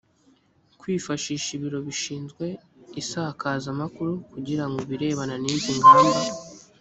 kwifashisha ibiro bishinzwe isakazamakuru kugira ngo ibirebana n izi ngamba